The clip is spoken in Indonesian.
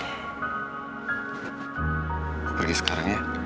aku pergi sekarang ya